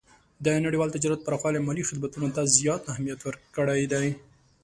د نړیوال تجارت پراخوالی مالي خدمتونو ته زیات اهمیت ورکړی دی.